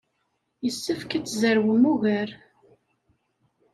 Yessefk ad tzerwem ugar.